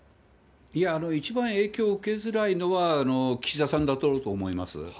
いや、一番影響を受けづらいのは岸田さんだと僕は思います。